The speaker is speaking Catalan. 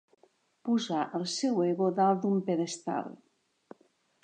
Posà el seu ego dalt d'un pedestal.